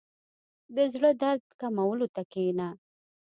• د زړۀ د درد کمولو ته کښېنه.